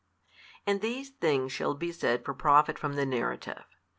And these things shall be said for profit from the narrative.